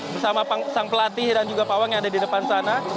bersama sang pelatih dan juga pawang yang ada di depan sana